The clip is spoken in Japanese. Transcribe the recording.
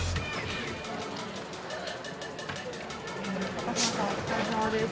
お疲れさまです。